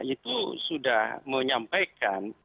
itu sudah menyampaikan